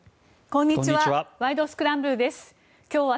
こんにちは。